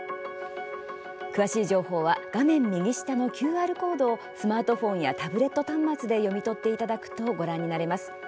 詳しい情報は画面右下のＱＲコードをスマートフォンやタブレット端末で読み取っていただくとご覧になれます。